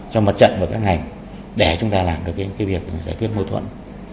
cho mật trận và các ngành để chúng ta làm được cái việc giải quyết mối thuận